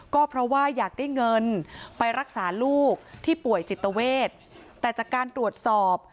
ก็เพราะว่าอยากได้เงินไปรักษาลูกที่ป่วยจิตเวทแต่จากการตรวจสอบ